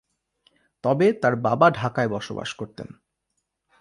তবে তার বাবা ঢাকায় বসবাস করতেন।